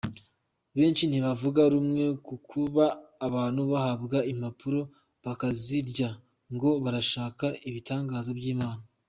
Benshi ntibavuga rumwe ku kuba abantu bahabwa impapuro bakazirya ngo barashaka ibitangaza by'Imana.